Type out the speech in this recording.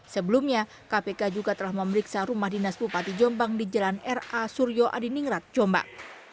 sebelumnya kpk juga telah memeriksa rumah dinas bupati jombang di jalan ra suryo adiningrat jombang